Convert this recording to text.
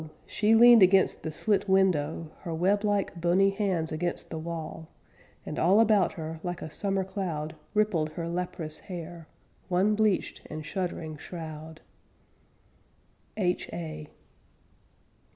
She leaned against the slit window Her web like, bony hands against the wall, And all about her, like a summer cloud Rippled her leprous hair, One bleached and shuddering shroud. H.A.